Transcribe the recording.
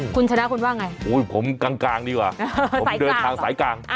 คุณชนะคุณว่าไงอุ้ยผมกลางกลางดีกว่าฮ่าฮ่าสายกลางผมเดินทางสายกลาง